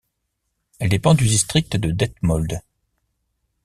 Elle dépend du district de Detmold.